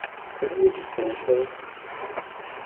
Couldn't we just finish those?